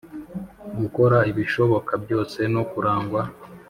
gukora ibishoboka byose no kurangwa